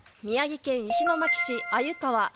宮城県石巻市鮎川